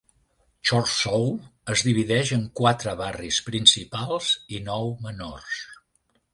Chorzów es divideix en quatre barris principals i nou menors.